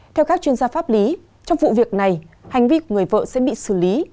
theo các chuyên gia pháp lý trong vụ việc này hành vi của người vợ sẽ bị xử lý